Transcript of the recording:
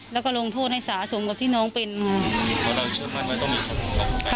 แล้วก็ลงโทษให้สาสมกับที่น้องเป็นค่ะ